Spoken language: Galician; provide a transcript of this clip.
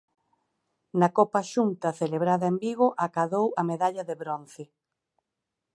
Na Copa Xunta celebrada en Vigo acadou a medalla de bronce.